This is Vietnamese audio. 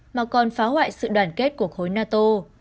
mà còn phá hoại sự đoàn kết của khối nato